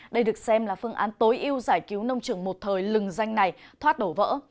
đây được xem là phương án tối ưu giải cứu nông trường một thời lừng danh này thoát đổ vỡ